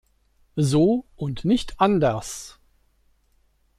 So und nicht anders.